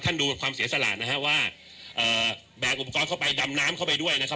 ดูความเสียสละนะฮะว่าเอ่อแบกอุปกรณ์เข้าไปดำน้ำเข้าไปด้วยนะครับ